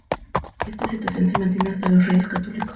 Esta situación se mantiene hasta los Reyes Católicos.